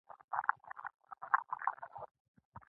خوږوالی د ډیرو خوړو لازمي برخه ده.